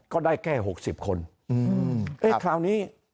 ก็ได้แก้๖๐คน